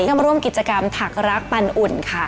ก็มาร่วมกิจกรรมถักรักปันอุ่นค่ะ